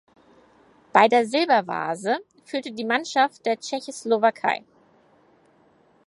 Bei der Silbervase führte die Mannschaft der Tschechoslowakei.